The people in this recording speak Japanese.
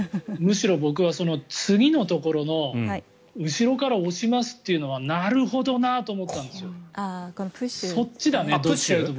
むしろ僕は次のところの後ろから押しますというのはなるほどなと思ったんですよ。